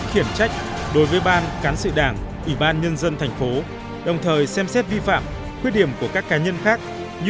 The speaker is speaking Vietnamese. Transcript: khiển trách đối với ban cán sự đảng ủy ban nhân dân thành phố đồng thời xem xét vi phạm khuyết điểm của các cá nhân khác như